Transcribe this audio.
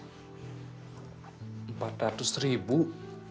empat ratus ribu buat persediaan mak belanja